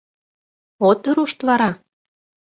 — От рушт вара?